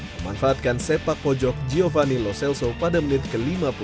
memanfaatkan sepak pojok giovanni lo celso pada menit ke lima puluh lima